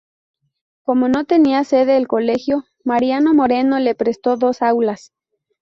Como no tenía sede el Colegio Mariano Moreno le prestó dos aulas.